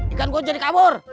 ikan gue jadi kabur